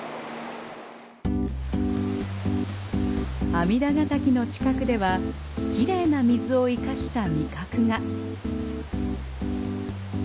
阿弥陀ヶ滝の近くでは、きれいな水を生かした味覚が。